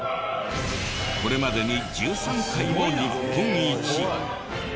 これまでに１３回も日本一！